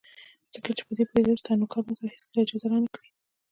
ځکه په دې پوهېدم چې ستا نوکر به ماته هېڅکله اجازه را نه کړي.